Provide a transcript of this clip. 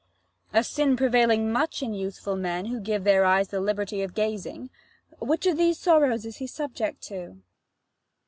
A sin prevailing much in youthful men, Who give their eyes the liberty of gazing. Which of these sorrows is he subject to?